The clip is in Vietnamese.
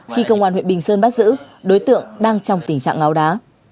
khi công an huyện bình sơn bắt giữ đối tượng đang trong tình trạng ngáo đá